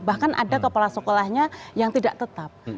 bahkan ada kepala sekolahnya yang tidak tetap